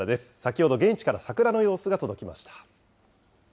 先ほど現地から桜の様子が届きました。